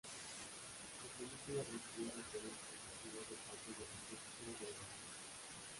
La película recibió reseñas positivas de parte de la crítica y de la audiencia.